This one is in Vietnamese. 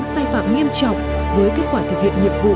sai phạm nghiêm trọng với kết quả thực hiện nhiệm vụ